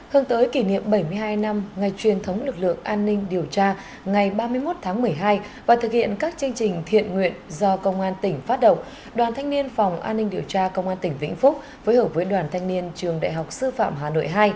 hơn tới kỷ niệm bảy mươi hai năm ngày truyền thống lực lượng an ninh điều tra ngày ba mươi một tháng một mươi hai và thực hiện các chương trình thiện nguyện do công an tỉnh phát động đoàn thanh niên phòng an ninh điều tra công an tỉnh vĩnh phúc với hợp với đoàn thanh niên trường đại học sư phạm hà nội hai